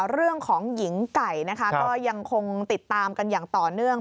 เรื่องของหญิงไก่นะคะก็ยังคงติดตามกันอย่างต่อเนื่อง